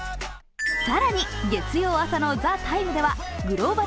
更に、月曜朝の「ＴＨＥＴＩＭＥ，」ではグローバル